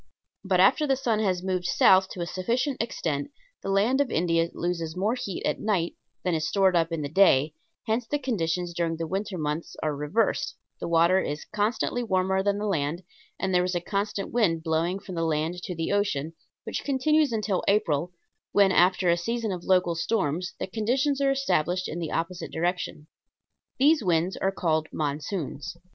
But after the sun has moved south to a sufficient extent the land of India loses more heat at night than is stored up in the day; hence the conditions during the winter months are reversed, the water is constantly warmer than the land, and there is a constant wind blowing from the land to the ocean, which continues until April, when after a season of local storms the conditions are established in the opposite direction. These winds are called "monsoons."